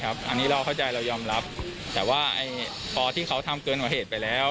อันนี้เราเข้าใจเรายอมรับแต่ว่าพอที่เขาทำเกินกว่าเหตุไปแล้ว